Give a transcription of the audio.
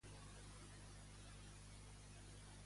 A pesar de tot, per què les històries no han traspassat fronteres?